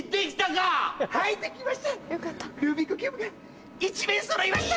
ルービックキューブが１面そろいました！